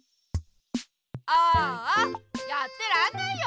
ああやってらんないよ